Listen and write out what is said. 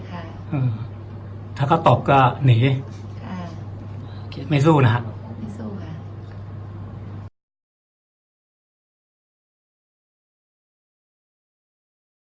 ค่ะถ้าเขาตบก็หนีค่ะไม่สู้นะฮะสู้ค่ะ